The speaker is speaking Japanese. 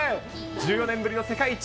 １４年ぶりの世界一。